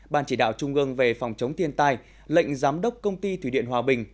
ban chỉ đạo trung ương về phòng chống thiên tai lệnh giám đốc công ty thủy điện hòa bình